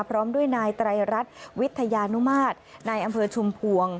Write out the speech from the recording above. พร้อมด้วยนายไตรรัฐวิทยานุมาตรนายอำเภอชุมพวง